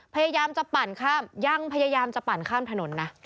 พยายามจะปั่นข้ามยังพยายามจะปั่นข้ามถนนนะ